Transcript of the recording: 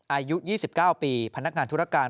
อายุ๒๙ปีพนักงานธุรการ